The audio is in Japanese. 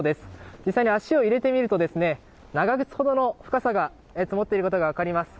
実際に足を入れてみると長靴ほどの深さが積もっていることが分かります。